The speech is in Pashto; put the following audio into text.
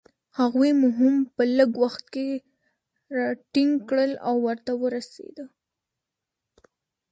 هغوی مو هم په لږ وخت کې راټینګ کړل، او ورته ورسېدو.